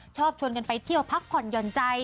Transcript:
ชอบชวนกันไปเที่ยวพักผ่ญญานใจ